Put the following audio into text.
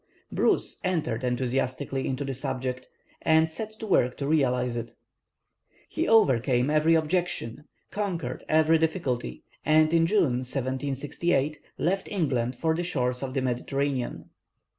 Bruce entered enthusiastically into the subject, and set to work to realize it. He overcame every objection, conquered every difficulty, and in June, 1768, left England for the shores of the Mediterranean.